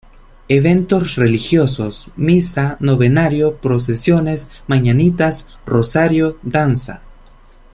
Eventos religiosos: Misa, Novenario, Procesiones, Mañanitas, Rosario, Danza.